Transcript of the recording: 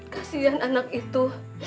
kasian anak itu